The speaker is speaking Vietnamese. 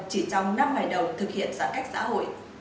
chỉ trong năm ngày đầu thực hiện giãn cách xã hội